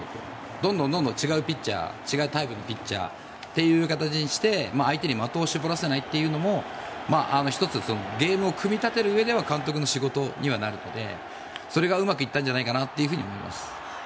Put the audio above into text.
どんどん違うタイプのピッチャーという形にして相手に的を絞らせないのも１つゲームを組み立てるうえでは監督の仕事にはなるのでそれがうまくいったんじゃないかなと思います。